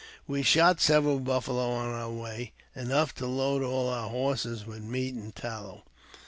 We shot several buffalo on our way, enough to load all our iorses with meat and tallow.